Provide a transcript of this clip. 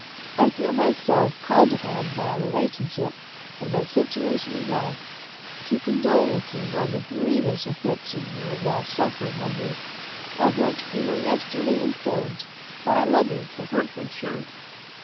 "I feel myself called upon by our relationship and my situation in life, to condole with you on the grievous affliction you are now suffering under, of which we were yesterday informed by a letter from Hertfordshire.